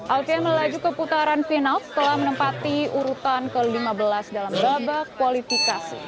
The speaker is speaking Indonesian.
alvian melaju ke putaran final setelah menempati urutan ke lima belas dalam babak kualifikasi